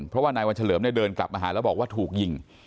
เพราะว่านายวันเฉลิมเนี่ยเดินกลับมาหาแล้วบอกว่าถูกยิง